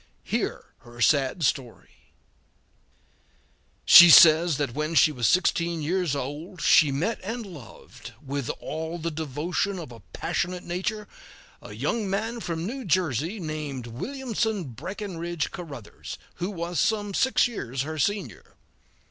Hear her sad story: She says that when she was sixteen years old she met and loved, with all the devotion of a passionate nature, a young man from New Jersey, named Williamson Breckinridge Caruthers, who was some six years her senior.